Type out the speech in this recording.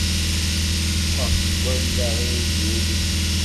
Ffeɣ seg wallaɣ-iw d wul-iw.